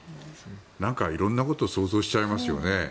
なんか、色んなことを想像しちゃいますよね。